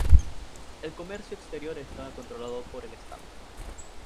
El comercio exterior estaba controlado por el Estado.